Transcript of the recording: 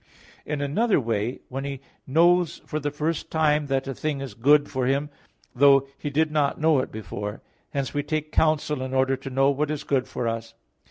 In another way when he knows for the first time that a thing is good for him, though he did not know it before; hence we take counsel in order to know what is good for us.